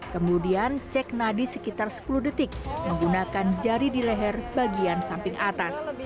kemudian cek nadi sekitar sepuluh detik menggunakan jari di leher bagian samping atas